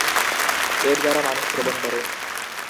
এর দ্বারা মানুষ শ্রবণ করে।